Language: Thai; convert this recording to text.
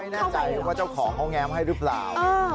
แน่ใจว่าเจ้าของเขาแง้มให้หรือเปล่า